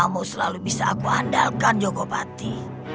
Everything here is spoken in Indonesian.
kamu selalu bisa akuandalkan jogopati